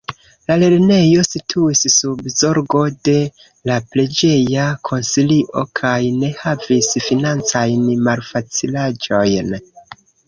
La lernejo situis sub zorgo de la preĝeja konsilio kaj ne havis financajn malfacilaĵojn.